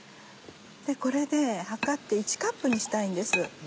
これで量って１カップにしたいんです。